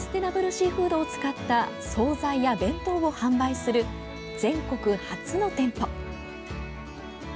シーフードを使った総菜や弁当を販売する全国初の店舗。